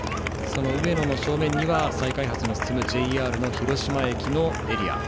その上野が走るのは再開発が進むＪＲの広島駅のエリア。